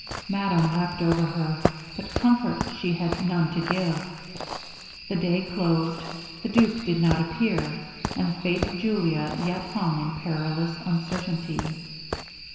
Madame wept over her, but comfort she had none to give. The day closed the duke did not appear, and the fate of Julia yet hung in perilous uncertainty.